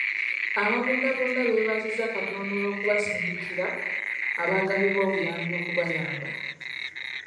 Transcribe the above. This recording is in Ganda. Ababundabunda b'ebaziza Katonda olw'okubasindikira abagabi b'obuyambi okubayamba.